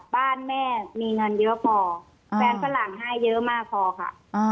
บ้านแม่มีเงินเยอะพอแฟนฝรั่งให้เยอะมากพอค่ะ